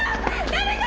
誰か！